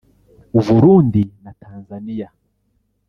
u Burundi na Tanzaniya